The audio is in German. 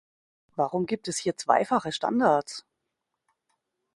Warum gibt es hier zweifache Standards?